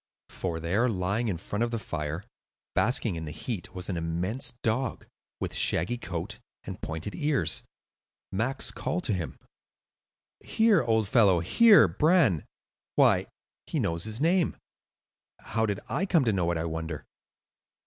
For there, lying in front of the fire, basking in the heat, was an immense dog, with shaggy coat and pointed ears. Max called to him:— "Here, old fellow; here, Bran,—why, he knows his name. How did I come to know it, I wonder!"